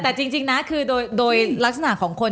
แต่จริงนะคือโดยลักษณะของคน